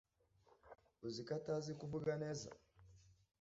uziko atazi kuvuga neza